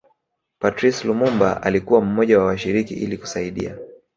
Patrice Lumumba alikuwa mmoja wa washiriki ili kusaidia